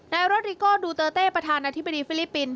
รถริโก้ดูเตอร์เต้ประธานาธิบดีฟิลิปปินส